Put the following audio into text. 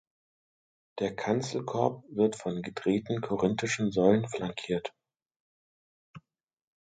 Der Kanzelkorb wird von gedrehten korinthischen Säulen flankiert.